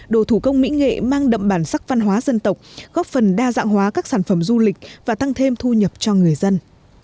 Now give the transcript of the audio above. đồ thủ công mỹ nghệ mang đậm bản sắc văn hóa dân tộc góp phần đa dạng hóa các sản phẩm du lịch và tăng thêm thu nhập cho người dân